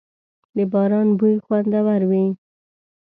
• د باران بوی خوندور وي.